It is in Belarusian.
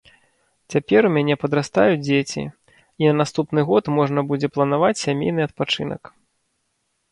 Цяпер у мяне падрастаюць дзеці, і на наступны год можна будзе планаваць сямейны адпачынак.